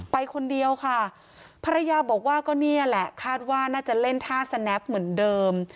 ไปคนเดียวค่ะภรรยาบอกว่าก็เนี่ยแหละคาดว่าน่าจะเล่นท่าสแนปเหมือนเดิม